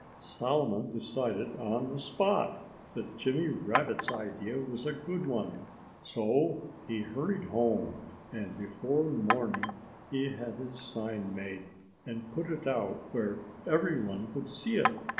Solomon decided on the spot that Jimmy Rabbit's idea was a good one. So he hurried home and before morning he had his sign made, and put out where everyone could see it.